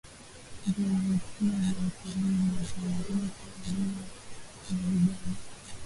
vivutio vya utalii vinaongeza ajira kwa vijana